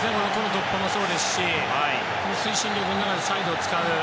突破もそうですし推進力のあるサイドを使う。